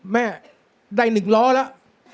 แม่ได้๑ล้อแล้ว